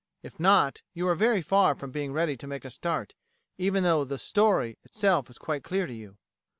If not, you are very far from being ready to make a start, even though the "story" itself is quite clear to you.